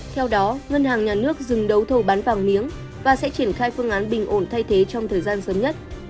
theo đó ngân hàng nhà nước dừng đấu thầu bán vàng miếng và sẽ triển khai phương án bình ổn thay thế trong thời gian sớm nhất